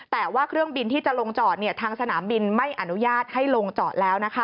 แต่ว่าเครื่องบินที่จะลงจอดทางสนามบินไม่อนุญาตให้ลงจอดแล้ว